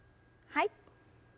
はい。